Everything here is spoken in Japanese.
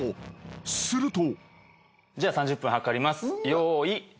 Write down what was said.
すると。